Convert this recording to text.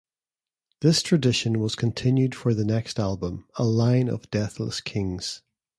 This tradition was continued for the next album, "A Line of Deathless Kings".